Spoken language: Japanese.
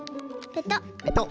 ペトッ。